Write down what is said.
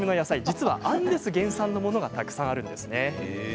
実は、アンデス原産のものがたくさんあるんです。